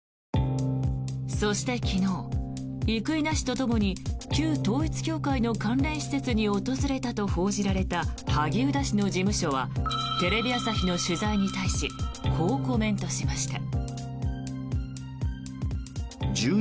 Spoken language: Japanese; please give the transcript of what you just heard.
そして昨日、生稲氏とともに旧統一教会の関連施設に訪れたと報じられた萩生田氏の事務所はテレビ朝日の取材に対しこうコメントしました。